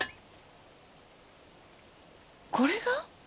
これが？